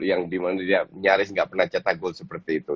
yang di mana dia nyaris gak pernah cetak gol seperti itu